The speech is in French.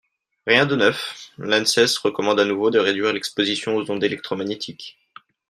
Rien de neuf, l’ANSES recommande à nouveau de réduire l’exposition aux ondes électromagnétiques.